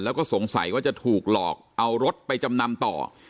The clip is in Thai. แล้วก็สงสัยว่าจะถูกหลอกเอารถไปจำนำต่อ